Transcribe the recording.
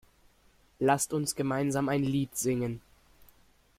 Lasst uns gemeinsam ein Lied singen!